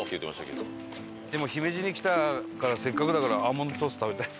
でも姫路に来たからせっかくだからアーモンドトースト食べたい。